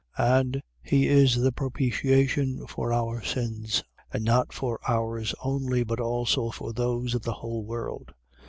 2:2. And he is the propitiation for our sins: and not for ours only, but also for those of the whole world.